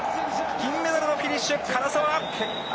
銀メダルのフィニッシュ唐澤！